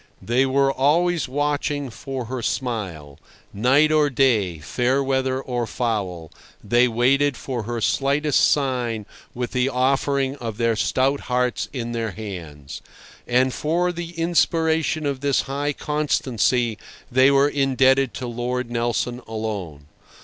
They were always watching for her smile; night or day, fair weather or foul, they waited for her slightest sign with the offering of their stout hearts in their hands. And for the inspiration of this high constancy they were indebted to Lord Nelson alone.